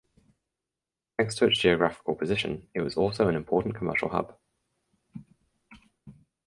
Thanks to its geographical position it was also an important commercial hub.